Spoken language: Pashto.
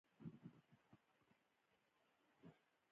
ځکه نو ښار ته راغلو